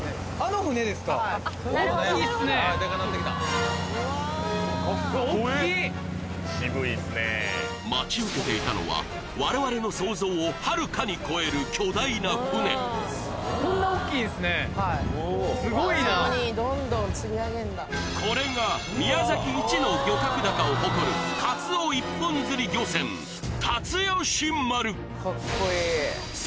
船はい待ち受けていたのは我々の想像をはるかに超える巨大な船はいこれが宮崎一の漁獲高を誇るカツオ一本釣り漁船竜